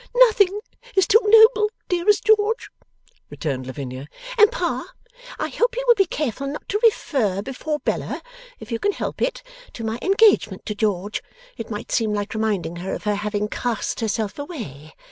'Nothing is too noble, dearest George,' returned Lavinia. 'And Pa, I hope you will be careful not to refer before Bella, if you can help it, to my engagement to George. It might seem like reminding her of her having cast herself away.